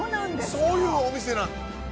そういうお店なんです。